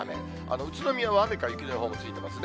宇都宮は雨か雪の予報もついてますね。